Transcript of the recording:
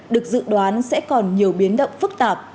được dự đoán sẽ còn nhiều biến động phức tạp